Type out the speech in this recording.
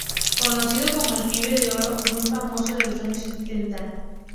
Conocido como "El Pibe de Oro", muy famoso en los años setenta.